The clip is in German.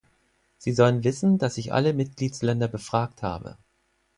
Sie sollen wissen, dass ich alle Mitgliedsländer befragt habe.